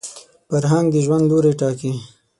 فرهنګ د ژوند لوري ټاکي